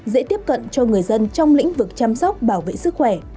dễ tiếp cận cho người dân trong lĩnh vực chăm sóc bảo vệ sức khỏe